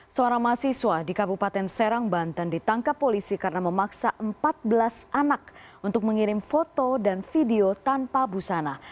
seorang mahasiswa di kabupaten serang banten ditangkap polisi karena memaksa empat belas anak untuk mengirim foto dan video tanpa busana